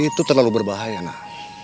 itu terlalu berbahaya nak